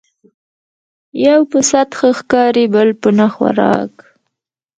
ـ يو په سعت ښه ښکاري بل په نه خوراک